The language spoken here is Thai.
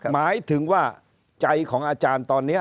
หมายถึงว่าใจของอาจารย์ตอนนี้